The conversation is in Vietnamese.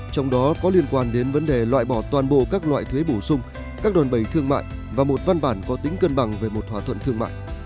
trong đó có liên quan đến vấn đề loại bỏ toàn bộ các loại thuế bổ sung các đòn bầy thương mại và một văn bản có tính cân bằng về một thỏa thuận thương mại